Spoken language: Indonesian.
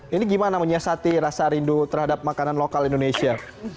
ini gimana menyiasati rasa rindu terhadap makanan lokal indonesia